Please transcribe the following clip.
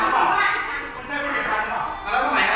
คุณค่ะคุณค่ะ